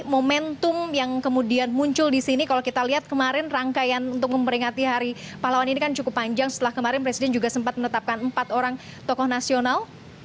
momentum yang kemudian muncul di sini kalau kita lihat kemarin rangkaian untuk memperingati hari pahlawan ini kan cukup panjang setelah kemarin presiden juga sempat menetapkan empat orang tokoh nasional